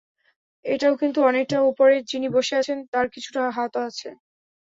এটাও কিন্তু অনেকটা ওপরে যিনি বসে আছেন তাঁর কিছুটা হাতও আছে।